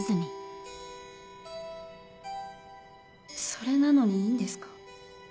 それなのにいいんですか？